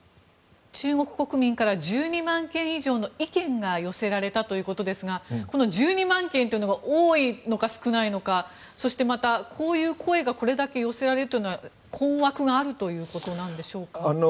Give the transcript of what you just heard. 中国国民から１２万件以上の意見が寄せられたということですがこの１２万件というのが多いのか少ないのかそしてまた、こういう声がこれだけ寄せられるというのは困惑があるということでしょうか？